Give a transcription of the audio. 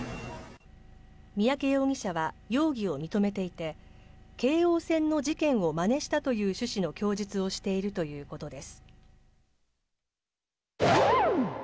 三宅容疑者は容疑を認めていて、京王線の事件をまねしたという趣旨の供述をしているということです。